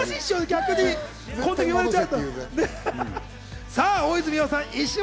逆にこんだけ言われちゃうと。